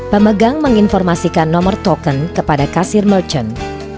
pemegang menginformasikan nomor token kepada kasir merchant